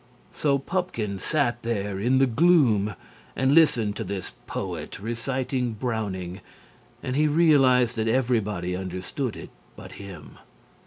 So Pupkin sat there in the gloom and listened to this poet reciting Browning and he realized that everybody understood it but him.